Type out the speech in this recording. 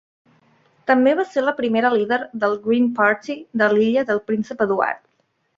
També va ser la primera líder del Green Party de l'Illa del Príncep Eduard.